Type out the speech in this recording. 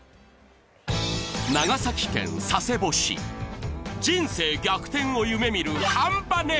長崎県佐世保市、人生逆転を夢見るハンパねえ